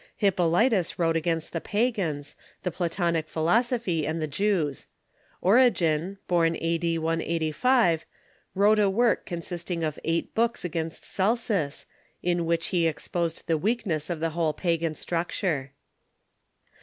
Hippolytus wrote against the pagans, the Pla tonic philosophy, and the Jews. Origen, born a.d. 185, wrote a work consisting of eight books against Celsus, in which he exposed the weakness of the whole pagan structure.